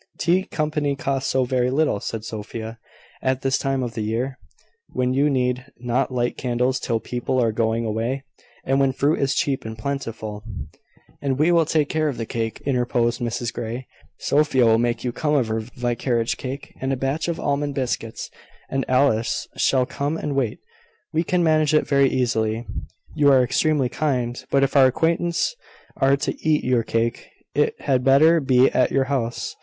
"Tea company costs so very little!" said Sophia. "At this time of the year, when you need not light candles till people are going away, and when fruit is cheap and plentiful " "And we will take care of the cake," interposed Mrs Grey. "Sophia will make you some of her vicarage cake, and a batch of almond biscuits; and Alice shall come and wait. We can manage it very easily." "You are extremely kind: but if our acquaintance are to eat your cake, it had better be at your house.